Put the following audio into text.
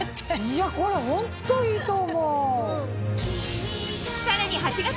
いやこれホントいいと思う！